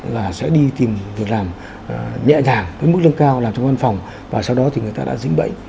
và sẽ đi tìm việc làm nhẹ nhàng với mức lương cao làm trong văn phòng và sau đó thì người ta đã dính bẫy